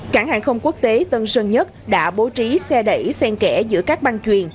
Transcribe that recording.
cảng hàng không quốc tế tân sơn nhất đã bố trí xe đẩy sen kẽ giữa các ban chuyền